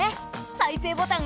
再生ボタン。